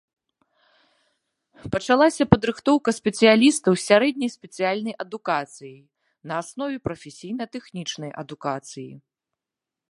Пачалася падрыхтоўка спецыялістаў з сярэдняй спецыяльнай адукацыяй на аснове прафесійна-тэхнічнай адукацыі.